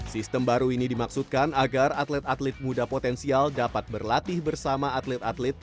sistem baru ini dimaksudkan agar atlet atlet muda potensial dapat berlatih bersama atlet atlet